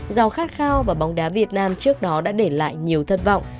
giàu khát khao và bóng đá việt nam trước đó đã để lại nhiều thất vọng